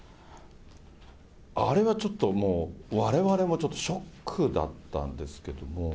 あれはちょっと、もう、われわれもちょっとショックだったんですけども。